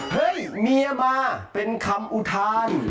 เฮ้ยเมียมาเป็นคำอุทาน